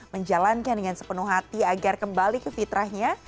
menjalankan dengan sepenuh hati agar kembali ke fitrahnya